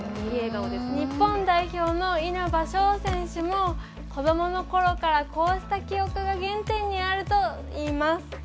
日本代表の稲葉将選手も子どものころからこうした記憶が原点にあるといいます。